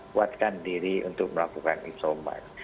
kuatkan diri untuk melakukan isoman